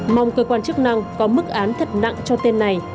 mong cơ quan chức năng có mức án thật nặng cho tên này